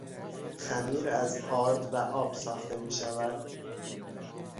خمیر از آرد و آب ساخته میشود.